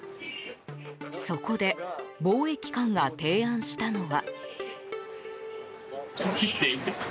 そこで防疫官が提案したのは。